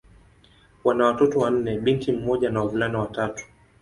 Wana watoto wanne: binti mmoja na wavulana watatu.